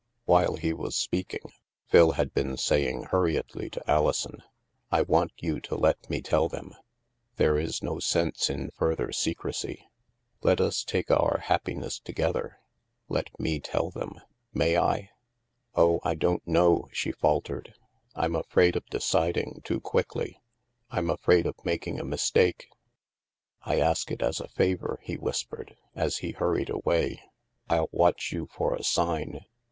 While he was speaking, Phil had been saying hur riedly to Alison :" I want you to let me tell them. There is no sense in further secrecy. Let us take our happiness together. Let me tell them. May I?" " Oh, I don't know," she faltered. " I'm afraid HAVEN 313 of deciding too quickly. I'm afraid of making a mistake." " I ask it as a favor," he whispered, as he hurried away. " I'll watch you for a sign.